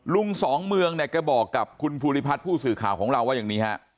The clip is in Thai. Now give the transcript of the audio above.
สองเมืองเนี่ยแกบอกกับคุณภูริพัฒน์ผู้สื่อข่าวของเราว่าอย่างนี้ฮะ